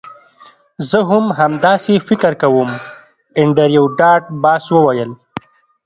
زه هم همداسې فکر کوم انډریو ډاټ باس وویل